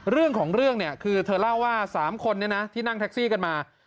เรื่องของเรื่องเนี่ยคือเธอเล่าว่า๓คนที่นั่งแท็กซี่กันมา